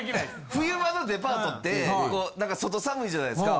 冬場のデパートって外寒いじゃないですか。